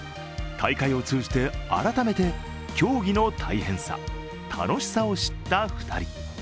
大会を通じて改めて競技の大変さ楽しさを知った２人。